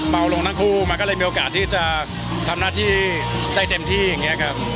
ลงทั้งคู่มันก็เลยมีโอกาสที่จะทำหน้าที่ได้เต็มที่อย่างนี้ครับ